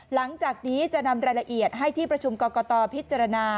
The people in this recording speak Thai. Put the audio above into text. หลังจากนี้จะนำรายละเอียดให้ที่ประชุมกรกตพิจารณา